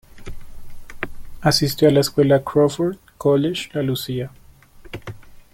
Asistió a la escuela Crawford College La Lucia.